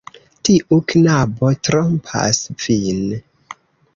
Tiu knabo trompas vin.